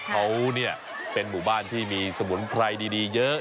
เขาเนี่ยเป็นหมู่บ้านที่มีสมุนไพรดีเยอะ